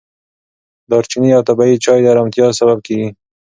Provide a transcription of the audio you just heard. دارچیني او طبیعي چای د ارامتیا سبب کېږي.